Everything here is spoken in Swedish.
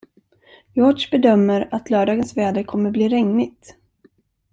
George bedömer att lördagens väder kommer bli regnigt.